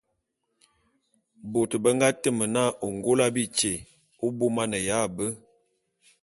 Bôt be nga teme na Ôngôla bityé abômaneya be.